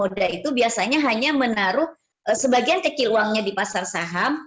karena investor modal itu biasanya hanya menaruh sebagian kecil uangnya di pasar saham